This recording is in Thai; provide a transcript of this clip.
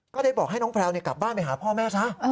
ก็ได้บอกให้น้องแพลวกลับบ้านไปหาพ่อแม่ซะ